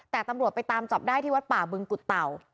แต่ตำรวจไปตามจับได้ที่วัดป่าบึงกุฎเต่า